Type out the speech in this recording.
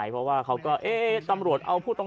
ชาวบ้านญาติโปรดแค้นไปดูภาพบรรยากาศขณะ